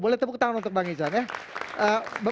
boleh tepuk tangan untuk bang izan ya